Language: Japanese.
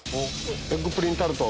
エッグプリンタルト